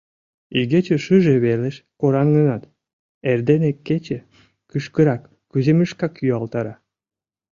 Игече шыже велыш кораҥынат, эрдене кече кӱшкырак кӱзымешкак юалтара.